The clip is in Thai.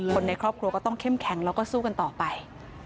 คนในครอบครัวก็ต้องเข้มแข็งแล้วก็สู้กันต่อไป